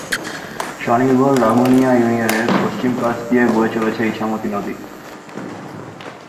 স্বনির্ভর রাঙ্গুনিয়া ইউনিয়নের পশ্চিম পাশ দিয়ে বয়ে চলেছে ইছামতি নদী।